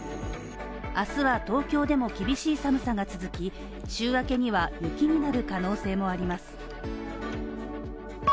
明日は東京でも厳しい寒さが続き、週明けには雪になる可能性もあります。